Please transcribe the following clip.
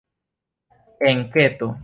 enketo